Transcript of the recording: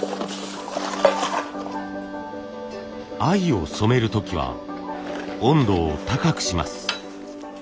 藍を染める時は温度を高くします。